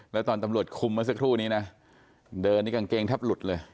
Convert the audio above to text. แล้วตอนตำรวจคุมเมื่อสักครู่นี้นะเดินนี่กางเกงแทบหลุดเลย